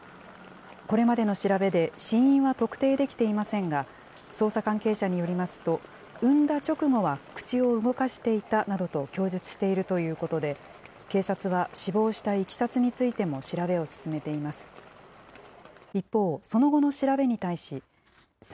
これまでの調べで死因は特定できていませんが、捜査関係者によりますと、産んだ直後は口を動かしていたなどと供述しているということで、警察は死亡したいきさつについても調べを進めています。